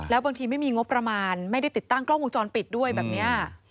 แล้วบางทีไม่มีงบประมาณไม่ได้ติดตั้งกล้องวงจรปิดด้วยแบบนี้